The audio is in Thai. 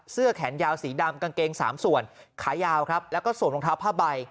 เสื้อแขนยาวสีดำกางเกงสามส่วนขายาวครับแล้วก็สวมรองเท้าผ้าใบ